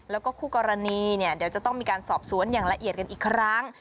แล้วก็คู่กรณีเนี่ยเดี๋ยวจะต้องมีการสอบสวนอย่างละเอียดกันอีกครั้ง